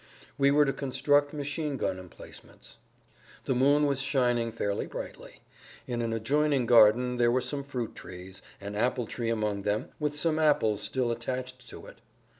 We were to construct machine gun emplacements. The moon was shining fairly brightly. In an adjoining garden there were some fruit trees, an apple tree among them, with some apples still attached to it.